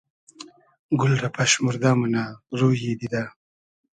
گول رۂ پئشموردۂ مونۂ رویی دیدۂ